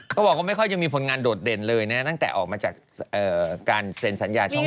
บอกว่าไม่ค่อยยังมีผลงานโดดเด่นเลยนะตั้งแต่ออกมาจากการเซ็นสัญญาช่อง